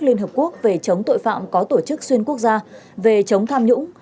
liên hợp quốc về chống tội phạm có tổ chức xuyên quốc gia về chống tham nhũng